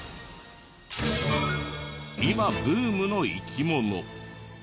今ブームの生き物。